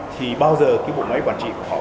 thì bao giờ bộ máy quản trị của họ